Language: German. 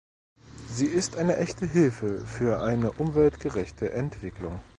Sie ist eine echte Hilfe für eine umweltgerechte Entwicklung.